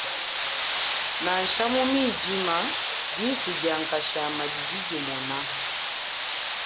Nansha mu midima disu dia nkashama didi dimona.